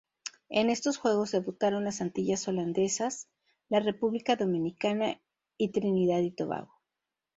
En estos juegos debutaron las Antillas Holandesas, la República Dominicana y Trinidad y Tobago.